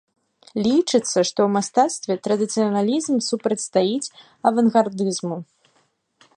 Лічыцца, што ў мастацтве традыцыяналізм супрацьстаіць авангардызму.